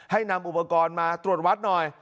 ให้นำอุปกรณ์มาตรวจวัดหน่อย